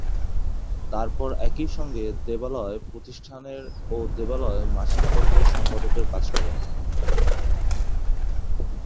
তারপর একই সঙ্গে 'দেবালয়' প্রতিষ্ঠানের ও 'দেবালয়' মাসিক পত্রের সম্পাদকের কাজ করেন।